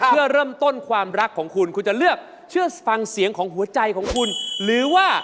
เพื่อเริ่มต้นความรักของคุณคุณจะเลือกเชื่อฟังเสียงของหัวใจของคุณหรือว่า